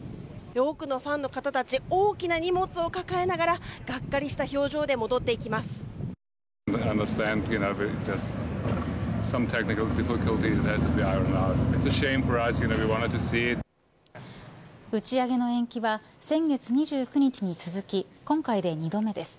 多くのファンの方たち大きな荷物を抱えながらがっかりした表情で戻っていきます。